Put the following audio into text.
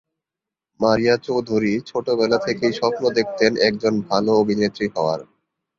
মারিয়া চৌধুরী ছোটবেলা থেকেই স্বপ্ন দেখতেন একজন ভালো অভিনেত্রী হওয়ার।